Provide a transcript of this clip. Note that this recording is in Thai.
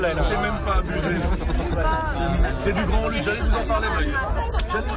พี่ซื้อนี่ชมหน่อยสิ